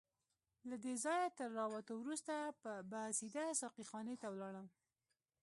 له دې ځایه تر راوتو وروسته به سیده ساقي خانې ته ولاړم.